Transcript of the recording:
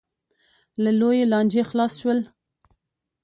له لویې لانجې خلاص شول.